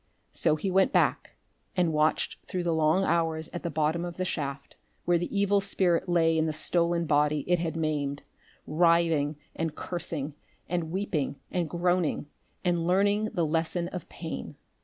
So he went back and watched through the long hours at the bottom of the shaft where the evil spirit lay in the stolen body it had maimed, writhing and cursing, and weeping and groaning, and learning the lesson of pain.